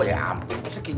ya ampun harusnya gini